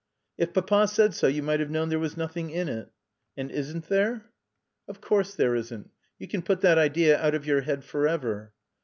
"If Papa said so you might have known there was nothing in it." "And isn't there?" "Of course there isn't. You can put that idea out of your head forever."